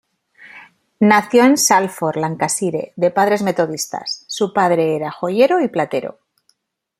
Nació en Salford, Lancashire, de padres metodistas; su padre era joyero y platero.